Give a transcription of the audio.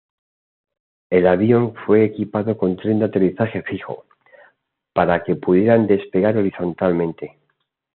El avión fue equipado con tren de aterrizaje fijo, para que pudiera despegar horizontalmente.